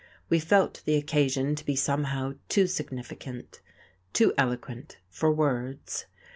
We felt the occasion to be somehow too significant, too eloquent for words....